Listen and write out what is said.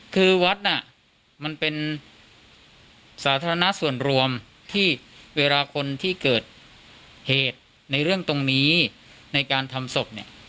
คือวัดน่ะมันเป็นสาธารณะส่วนรวมที่เวลาคนที่เกิดเหตุในเรื่องตรงนี้ในการทำศพเนี่ย